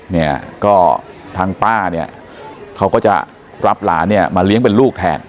เนี่ยก็ทางป้าเนี่ยเขาก็จะรับหลานเนี่ยมาเลี้ยงเป็นลูกแทน